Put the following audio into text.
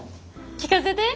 聞かせて。